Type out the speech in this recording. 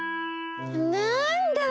なんだ。